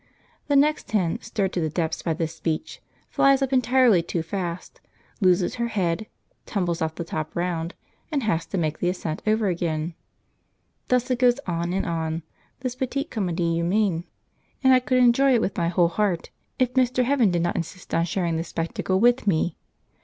The next hen, stirred to the depths by this speech, flies up entirely too fast, loses her head, tumbles off the top round, and has to make the ascent over again. Thus it goes on and on, this petite comedie humaine, and I could enjoy it with my whole heart if Mr. Heaven did not insist on sharing the spectacle with me.